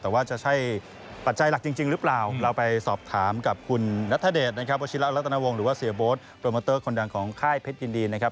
แต่ว่าจะใช่ปัจจัยหลักจริงหรือเปล่าเราไปสอบถามกับคุณนัทเดชนะครับวัชิระรัตนวงศ์หรือว่าเสียโบ๊ทโปรโมเตอร์คนดังของค่ายเพชรยินดีนะครับ